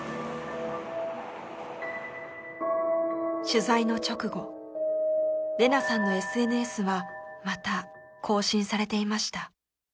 取材の直後れなさんのＳＮＳはまた更新されていました。